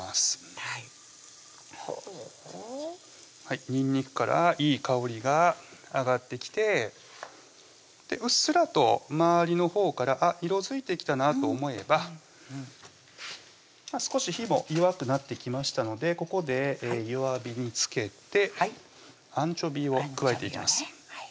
はいほうにんにくからいい香りが上がってきてうっすらと周りのほうからあっ色づいてきたなと思えば少し火も弱くなってきましたのでここで弱火につけてアンチョビーを加えていきます